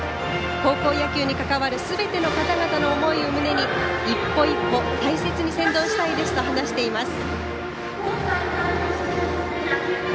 高校野球に関わるすべての方々の思いを胸に一歩一歩、大切に先導したいですと話しています。